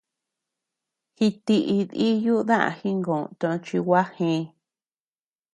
Jitií diiyu daá jingö toch gua jee.